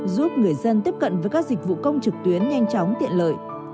giúp người dân tiếp cận với các dịch vụ công trực tuyến nhanh chóng tiện lợi